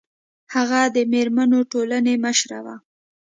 هغه د میرمنو ټولنې مشره وه